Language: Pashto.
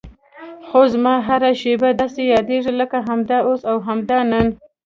خو زما هره شېبه داسې یادېږي لکه همدا اوس او همدا نن.